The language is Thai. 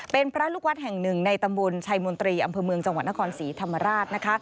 เป็นพระลูกวัดแห่งหนึ่งในตำบลชัยมนตรีอำเภอเมืองจังหวัดนครศรีธรรมราชนะคะ